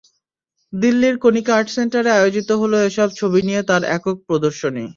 দিল্লির কণিকা আর্ট সেন্টারে আয়োজিত হলো এসব ছবি নিয়ে তাঁর একক প্রদর্শনী।